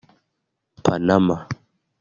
Panama